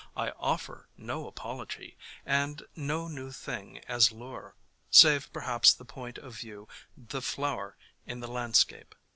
I offer no apology, and no new thing as lure, save perhaps the point of view — the flower in the landscape.